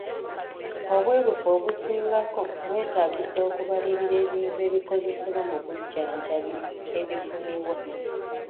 Obwerufu obusingako bwetaagisa okubalirira ebintu ebikozesebwa mu bujjanjabi ebifunibwa.